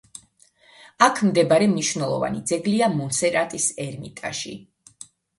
აქ მდებარე მნიშვნელოვანი ძეგლია მონსერატის ერმიტაჟი.